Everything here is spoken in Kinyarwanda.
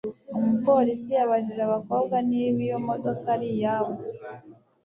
Umupolisi yabajije abakobwa niba iyo modoka ari iyabo